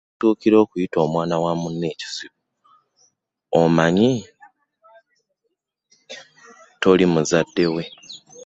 W'otuukira okuyita omwana wa munno ekizibu omanya toli muzadde.